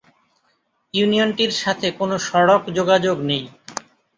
ইউনিয়নটির সাথে কোন সড়ক যোগাযোগ নেই।